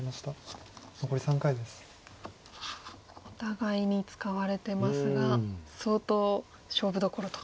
お互いに使われてますが相当勝負どころと。